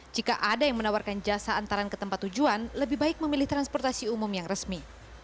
jika ada yang menawarkan jasa antaran ke tempat tujuan lebih baik memilih transportasi umum yang resmi